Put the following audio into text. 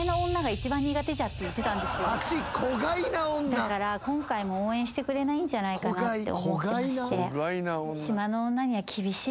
だから今回も応援してくれないんじゃないかと思ってまして。